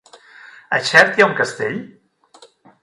A Xert hi ha un castell?